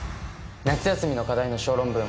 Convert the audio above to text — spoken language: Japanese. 夏休みの課題の小論文